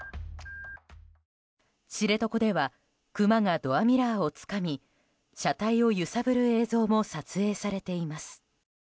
知床ではクマがドアミラーをつかみ車体を揺さぶる映像も撮影されています。